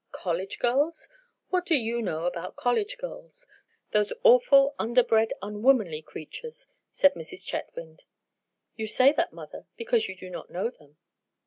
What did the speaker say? "College girls? What do you know about college girls—those awful, underbred, unwomanly creatures!" said Mrs. Chetwynd. "You say that, mother, because you do not know them."